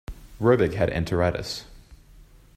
Robic had enteritis.